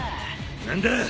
何だ！